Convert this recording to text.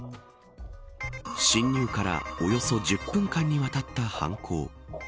侵入からおよそ１０分間にわたった犯行。